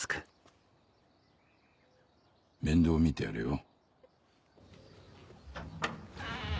面倒見てやれよ。